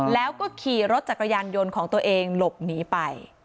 แล้วก็ขี่รถจักรยานยนต์ของตัวเองหลบหนีไป